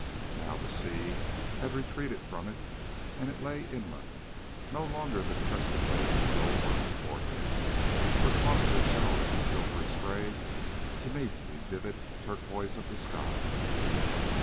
Now the sea had retreated from it, and it lay inland; no longer the crested waves rolled on its borders, or tossed their showers of silver spray to meet the vivid turquoise of the sky.